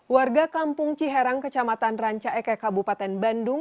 warga kampung ciharang kecamatan ranca eke kabupaten bandung